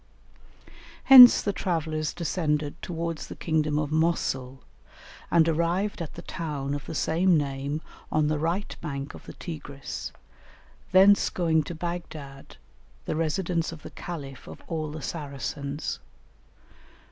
Hence the travellers descended towards the kingdom of Mosul, and arrived at the town of the same name on the right bank of the Tigris, thence going to Baghdad, the residence of the Caliph of all the Saracens.